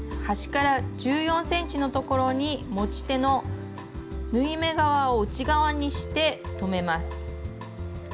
端から１４ｃｍのところに持ち手の縫い目側を内側にして留めます。